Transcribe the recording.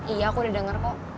iya aku udah denger kok